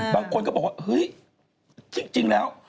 บางคนก็บอกว่าเฮ้ยจริงแล้ว